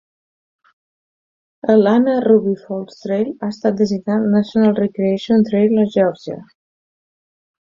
El Anna Ruby Falls Trail ha estat designat National Recreation Trail a Geòrgia.